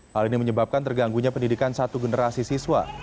hal ini menyebabkan terganggunya pendidikan satu generasi siswa